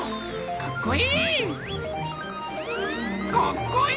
かっこいい！